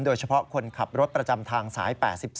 โดยเฉพาะคนขับรถประจำทางสาย๘๒